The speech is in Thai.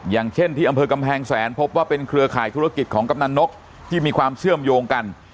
อย่างเช่นที่อำเภอกำแพงแสนพบว่าเป็นเครือข่ายธุรกิจของกำนันนกที่มีความเชื่อมโยงกัน